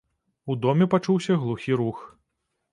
У доме пачуўся глухі рух.